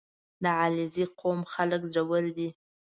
• د علیزي قوم خلک زړور دي.